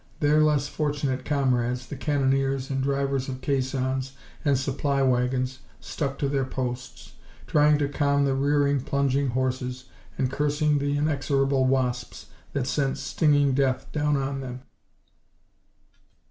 Their less fortunate comrades, the cannoneers and drivers of caissons and supply wagons, stuck to their posts, trying to calm the rearing, plunging horses and cursing the inexorable wasps that sent stinging death down on them.